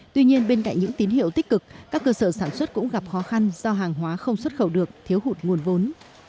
tuy nhiên bên cạnh những tín hiệu tích cực các cơ sở sản xuất cũng gặp khó khăn do hàng hóa không xuất khẩu được thiếu hụt nguồn vốn